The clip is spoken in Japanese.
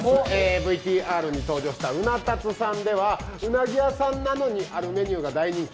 ＶＴＲに登場したうな達さんでは、うなぎ屋さんなのにあるメニューが大人気。